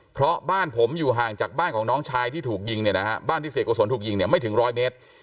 เพราะบ้านผมอยู่ห่างจากบ้านของน้องชายที่ถูกยิงเนี่ยนะฮะบ้านที่เสียโกศลถูกยิงเนี่ยไม่ถึงร้อยเมตร